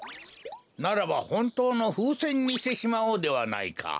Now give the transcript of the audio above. ならばほんとうのふうせんにしてしまおうではないか。